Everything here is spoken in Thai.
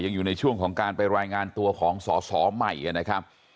อยู่ในช่วงของการไปรายงานตัวของสอสอใหม่นะครับ